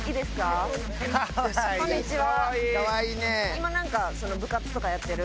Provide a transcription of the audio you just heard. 今なんか部活とかやってる？